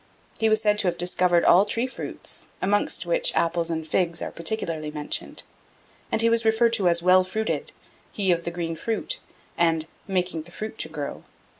He was said to have discovered all tree fruits, amongst which apples and figs are particularly mentioned; and he was referred to as "well fruited," "he of the green fruit," and "making the fruit to grow."